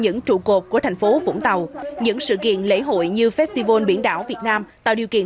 những trụ cột của thành phố vũng tàu những sự kiện lễ hội như festival biển đảo việt nam tạo điều kiện